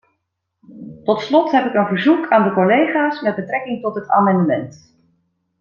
Tot slot heb ik een verzoek aan de collega's met betrekking tot het amendement.